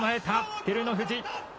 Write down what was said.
照ノ富士。